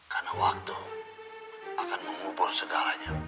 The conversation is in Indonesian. karena waktu akan mengupur segalanya